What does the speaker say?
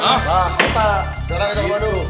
nah kita sekarang ke bandung